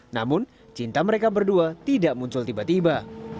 namun cinta mereka berdua tidak muncul tiba tiba